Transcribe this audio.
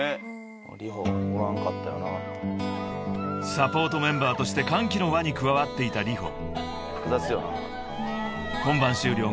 ［サポートメンバーとして歓喜の輪に加わっていたＲｉｈｏ］